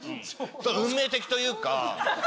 運命的というか。